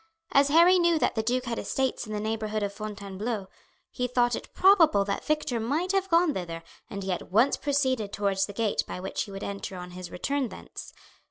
As Harry knew that the duke had estates in the neighbourhood of Fontainebleau he thought it probable that Victor might have gone thither, and he at once proceeded towards the gate by which he would enter on his return thence.